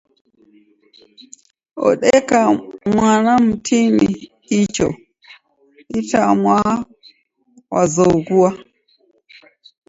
Odeka mwana mtini ichoo itwamwaa w'azoghoua